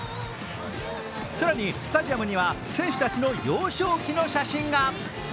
更にスタジアムには選手たちの幼少期の写真が。